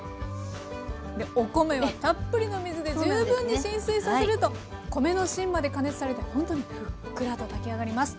お米はたっぷりの水で十分に浸水させると米の芯まで加熱されてほんとにふっくらと炊き上がります。